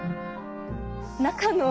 中の。